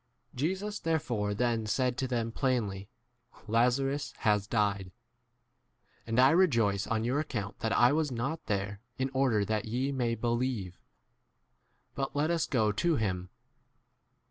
Jesus therefore then said to them plainly, Lazarus 15 has died. And I rejoice on your account that I was not there, in order that ye may believe. But 16 let us * go to him.